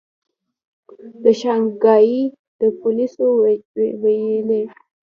د شانګهای پولیسو ویلي